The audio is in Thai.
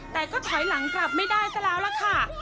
แต่ก็ถอยหลังกลับไม่ได้ซะแล้วล่ะค่ะ